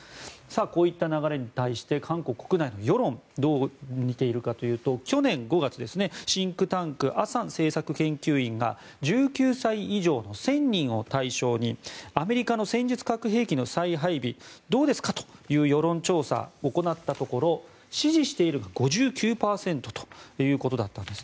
こういった流れに対して韓国国内の世論はどう見ているかというと去年５月、シンクタンクアサン政策研究院が１９歳以上の１０００人を対象にアメリカの戦術核兵器の再配備どうですかという世論調査を行ったところ支持しているが５９％だったということです。